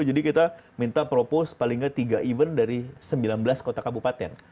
jadi kita minta propose paling gak tiga event dari sembilan belas kota kabupaten